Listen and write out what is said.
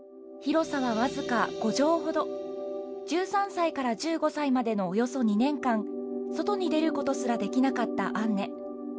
１３歳から１５歳までのおよそ２年間外に出ることすらできなかったアンネ。